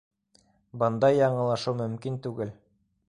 Бындай яңылышыу мөмкин түгел.